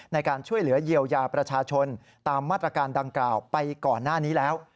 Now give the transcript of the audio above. ในการช่วยเหลือเยียวยาประชาชนตามมาตรการดังกล่าวไปก่อนหน้านี้แล้ว